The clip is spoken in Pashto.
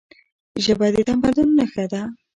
ژبه د تمدن نښه ده.